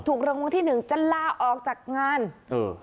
ถูกรางวัลที่หนึ่งจะลาออกจากงานเออ